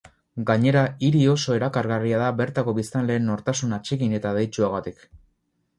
Gainera, hiri oso erakargarria da bertako biztanleen nortasun atsegin eta adeitsuagatik.